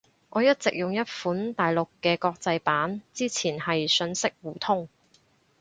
我一直用一款大陸嘅國際版。之前係信息互通